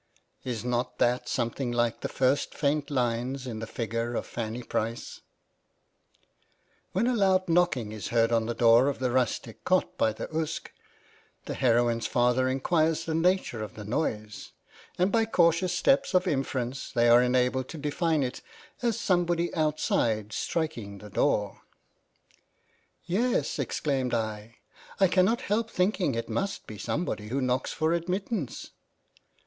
Is not that something like the first faint line in the figure of Fanny Price ? When a loud knocking is heard on the door of the Rustic Cot by the Uske, the heroine's father enquires the nature of the noise, and by cautious steps of inference they are enabled to define it as somebody outside striking the door. "' Yes (exclaimed I) I cannot help thinking it must be somebody who knocks for admittance.'